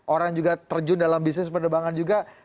orang juga terjun dalam bisnis penerbangan juga